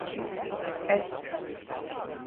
Es